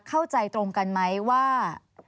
เข้าใจตรงกันไหมว่า